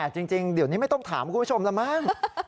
จริงเดี๋ยวนี้ไม่ต้องถามคุณผู้ชมแล้วมั้ง